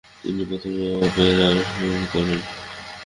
তিনি প্রথম অপেরার সুর করেন।